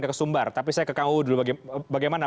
ke kesumbar tapi saya ke kang u dulu bagaimana